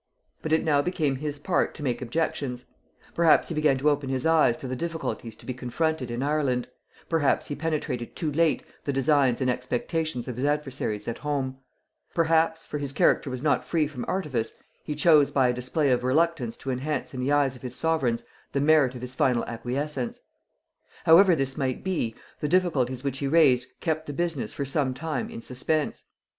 But it now became his part to make objections; perhaps he began to open his eyes to the difficulties to be confronted in Ireland; perhaps he penetrated too late the designs and expectations of his adversaries at home; perhaps, for his character was not free from artifice, he chose by a display of reluctance to enhance in the eyes of his sovereign the merit of his final acquiescence. However this might be, the difficulties which he raised kept the business for some time in suspense.